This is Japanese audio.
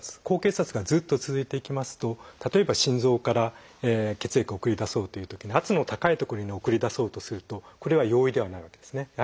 高血圧がずっと続いていきますと例えば心臓から血液を送り出そうというとき圧の高い所に送り出そうとするとこれは容易ではないわけですね。